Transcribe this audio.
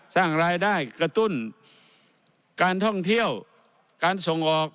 สร้างรายได้กระตุ้นการท่องเที่ยวการส่งออก